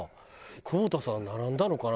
久保田さん並んだのかな？